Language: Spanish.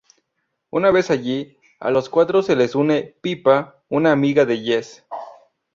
Una vez allí, a las cuatro se les une Pippa, una amiga de Jess.